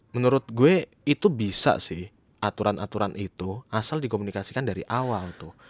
menurut gue itu bisa sih aturan aturan itu asal dikomunikasikan dari awal tuh